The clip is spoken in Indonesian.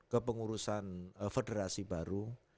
ke pengurusan federasi baru